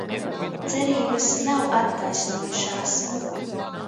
Cerības nav attaisnojošās...